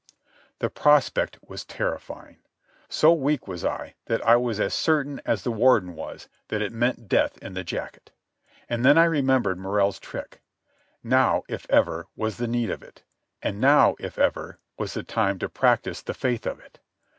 The prospect was terrifying. So weak was I that I was as certain as the Warden was that it meant death in the jacket. And then I remembered Morrell's trick. Now, if ever, was the need of it; and now, if ever, was the time to practise the faith of it.